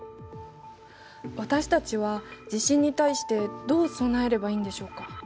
私たちは地震に対してどう備えればいいんでしょうか？